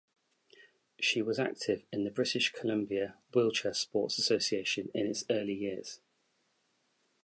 She was active in the British Columbia Wheelchair Sports Association in its early years.